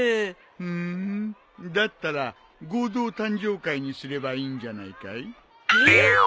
ふーんだったら合同誕生会にすればいいんじゃないかい。えっ！？